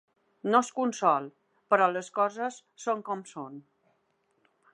No és consol, però les coses són com són.